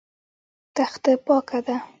تخته پاکه ده.